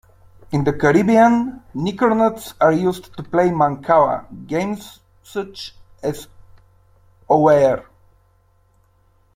In the Caribbean, nickernuts are used to play mancala games such as oware.